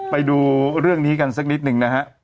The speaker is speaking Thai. ไปดูเรื่องนี้กันสักนิดหนึ่งนะฮะ